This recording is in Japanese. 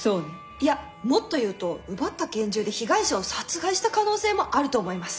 いやもっと言うと奪った拳銃で被害者を殺害した可能性もあると思います。